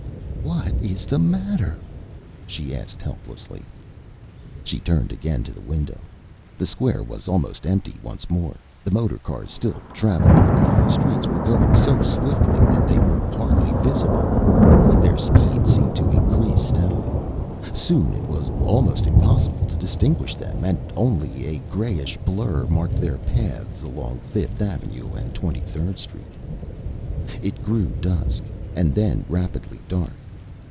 "What is the matter?" she asked helplessly. She turned again to the window. The square was almost empty once more. The motor cars still traveling about the streets were going so swiftly they were hardly visible. Their speed seemed to increase steadily. Soon it was almost impossible to distinguish them, and only a grayish blur marked their paths along Fifth Avenue and Twenty Third Street. It grew dusk, and then rapidly dark.